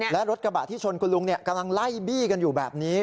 และรถกระบะที่ชนคุณลุงกำลังไล่บี้กันอยู่แบบนี้